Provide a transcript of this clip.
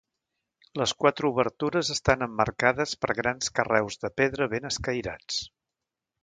Les quatre obertures estan emmarcades per grans carreus de pedra ben escairats.